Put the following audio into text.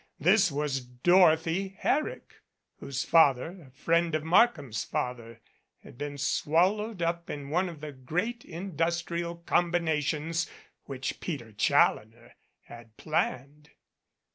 This was Dorothy Herrick, whose father, a friend of Markham's father, had been swallowed up in one of the great industrial combinations which Peter Challoner had planned.